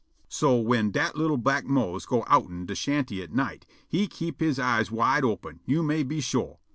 So whin dat li'l' black Mose go' outen de shanty at night, he keep' he eyes wide open, you may be shore.